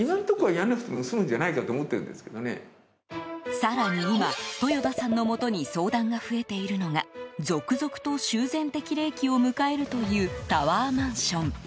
更に今、豊田さんのもとに相談が増えているのが続々と修繕適齢期を迎えるというタワーマンション。